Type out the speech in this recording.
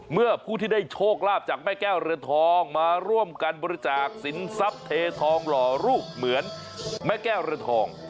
เมื่อผู้ที่ได้โชคลาภจากแม่แก้วเรือนทองมาร่วมกันบริจาคสินทรัพย์เททองหล่อรูปเหมือนแม่แก้วเรือนทอง